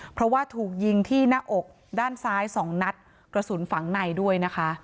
เพราะว่าถูกยิงที่หน้าอกด้านซ้าย๒นัดกระสุนฝังในด้วยนะคะ